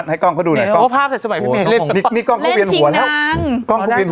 นี่ก้องก็เบียนหัวแล้ว